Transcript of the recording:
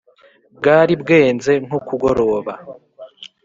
bwari bwenze nko kugoroba